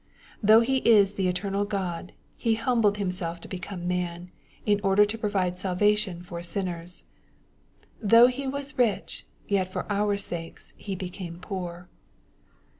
Though He is the eternal Grod, He humbled Himself to become man, in order to provide salvation for sinners. " Though he was rich, yet forour sakes he became poor."